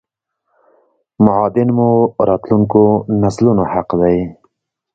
معادن مو راتلونکو نسلونو حق دی!!